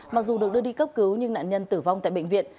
mặc dù được đưa đi cấp cứu nhưng nạn nhân tử vong tại bệnh viện